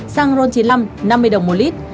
xăng ron chín mươi năm năm mươi đồng một lít